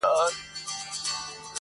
• تا دا علم دی له چا څخه زده کړی -